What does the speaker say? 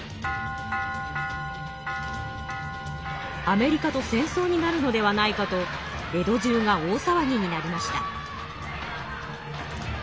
アメリカと戦争になるのではないかと江戸じゅうが大さわぎになりました。